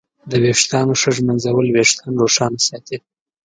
د ویښتانو ښه ږمنځول وېښتان روښانه ساتي.